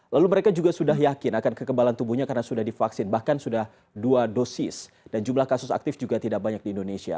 lalu mereka juga sudah yakin akan kekebalan tubuhnya karena sudah divaksin bahkan sudah dua dosis dan jumlah kasus aktif juga tidak banyak di indonesia